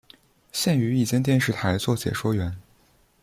现于一间电视台做解说员。